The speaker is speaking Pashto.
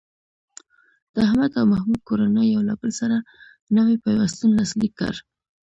د احمد او محمود کورنۍ یو له بل سره نوی پیوستون لاسلیک کړ.